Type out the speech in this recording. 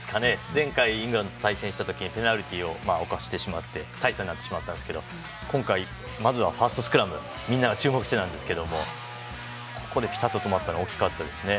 前回、イングランドと対戦した時にペナルティをおかしてしまって大差になってしまったんですけど今回、まずはファーストスクラム注目していたんですけどここでピタッと止まったのが大きかったですね。